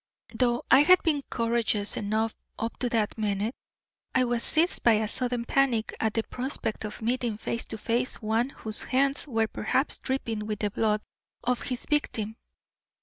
"Though I had been courageous enough up to that minute, I was seized by a sudden panic at the prospect of meeting face to face one whose hands were perhaps dripping with the blood of his victim.